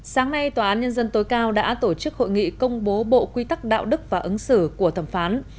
sáng nay tòa án nhân dân tối cao đã tổ chức hội nghị công bố bộ quy tắc đạo đức và ứng xử của thẩm phán